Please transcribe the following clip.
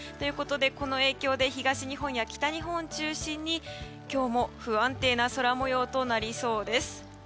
この影響で東日本や北日本中心に今日も不安定な空模様となりそうです。